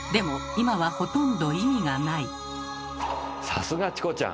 さすがチコちゃん！